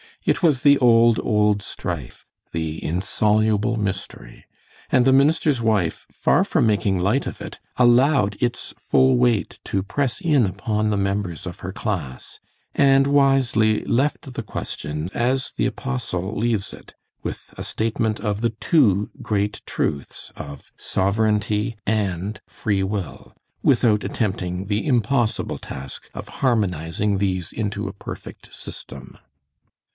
It was the old, old strife, the insoluble mystery; and the minister's wife, far from making light of it, allowed its full weight to press in upon the members of her class, and wisely left the question as the apostle leaves it, with a statement of the two great truths of Sovereignty and Free Will without attempting the impossible task of harmonizing these into a perfect system.